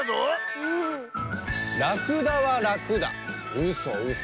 うそうそ。